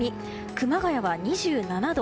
熊谷は２７度。